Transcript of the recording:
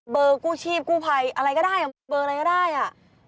กู้ชีพกู้ภัยอะไรก็ได้เบอร์อะไรก็ได้อ่ะ